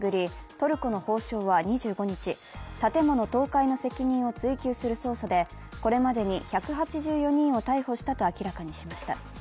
トルコの法相は２５日、建物倒壊の責任を追及する捜査でこれまでに１８４人を逮捕したと明らかにしました。